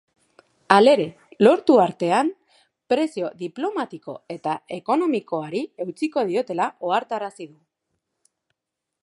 Halere, lortu artean presio diplomatiko eta ekonomikoari eutsiko diotela ohartarazi du.